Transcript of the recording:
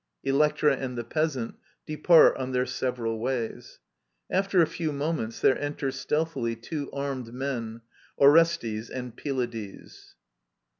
[Electra and the Peasant depart on their several ways. After a few moments there enter stealthily two armed men^ Orestes and Pylades.